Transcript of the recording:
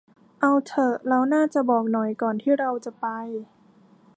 เอาเถอะ เราน่าจะบอกหน่อยก่อนที่เราจะไป